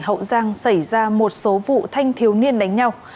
hậu giang xảy ra một số vụ thanh thiếu niên đánh nhau